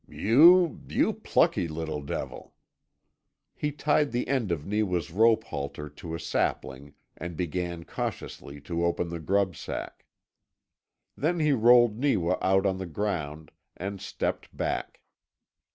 "You you plucky little devil!" He tied the end of Neewa's rope halter to a sapling, and began cautiously to open the grub sack. Then he rolled Neewa out on the ground, and stepped back.